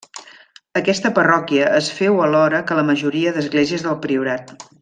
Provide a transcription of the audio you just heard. Aquesta parròquia es féu alhora que la majoria d'esglésies del Priorat.